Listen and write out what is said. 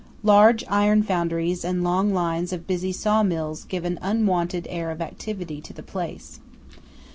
Large iron foundries and long lines of busy saw mills give an unwonted air of activity to the place.